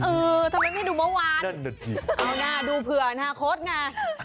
เออทำไมไม่ดูเมื่อวานเอานะดูเผื่อนะโคตรน่ะ